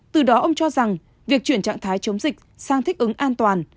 từ đó ông cho rằng việc chuyển trạng thái chống dịch sang thích ứng an toàn